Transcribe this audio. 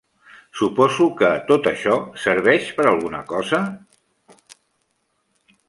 Suposo que tot això serveix per alguna cosa?